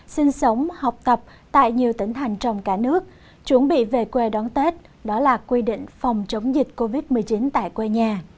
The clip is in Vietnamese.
sinh sống học tập tại nhiều tỉnh thành trong cả nước chuẩn bị về quê đón tết đó là quy định phòng chống dịch covid một mươi chín tại quê nhà